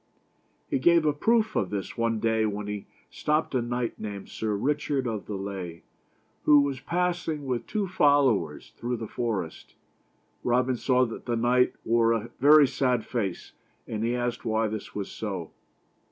He gave a proof of this one day when he stopped a knight named Sir Richard of the Lea, who was passing, with two followers, through the forest. Robin saw that the knight wore a very sad face, and he asked why this was so.